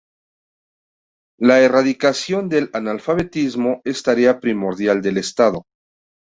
La erradicación del analfabetismo es tarea primordial del Estado.